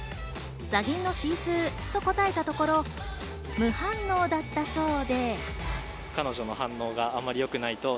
「ザギンのシースー」と答えたところ、無反応だったそうで。